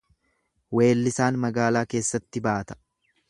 Weellisaan magaalaa keessa baata.